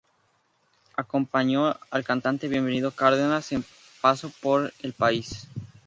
Acompañó al cantante Bienvenido Cárdenas en su paso por el país.